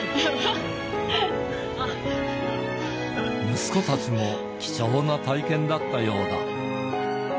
息子たちも貴重な体験だったようだ。